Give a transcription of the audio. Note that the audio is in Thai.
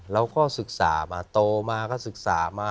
เราก็ศึกษามาโตมาก็ศึกษามา